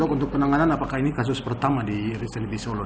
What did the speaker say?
dok untuk penanganan apakah ini kasus pertama di rsud silebesolu